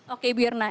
oke ibu irna